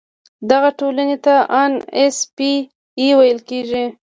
دغه ټولنې ته ان ایس پي اي ویل کیږي.